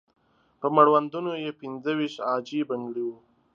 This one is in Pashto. په مړوندونو یې پنځه ويشت عاجي بنګړي وو.